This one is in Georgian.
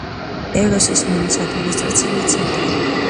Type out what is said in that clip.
ევროსის ნომის ადმინისტრაციული ცენტრი.